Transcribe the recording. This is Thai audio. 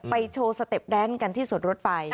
โชว์สเต็ปแดนกันที่สวนรถไฟ